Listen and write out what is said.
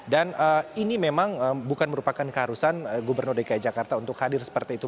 dan ini memang bukan merupakan keharusan gubernur dki jakarta untuk hadir seperti itu